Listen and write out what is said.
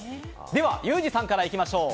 ではユージさんから行きましょう。